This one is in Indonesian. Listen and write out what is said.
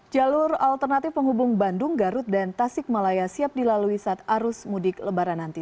jalur alternatif penghubung bandung garut dan tasik malaya siap dilalui saat arus mudik lebaran nanti